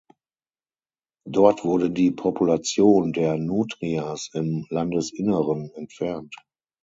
Dort wurde die Population der Nutrias im Landesinneren entfernt.